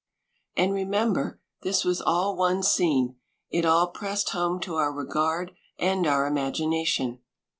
And remem ber this was all one scene, it all pressed home to our regard and our imagina tion.